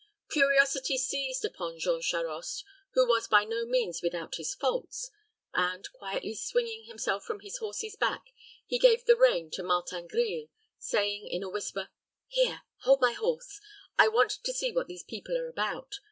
Curiosity seized upon Jean Charost, who was by no means without his faults, and, quietly swinging himself from his horse's back, he gave the rein to Martin Grille, saying, in a whisper, "Here, hold my horse. I want to see what these people are about.